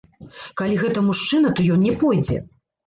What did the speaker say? Калі гэта мужчына, то ён не пойдзе.